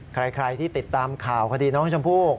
ใครที่ติดตามข่าวคดีน้องชมพู่